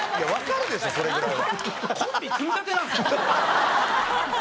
いやわかるでしょそれぐらいは。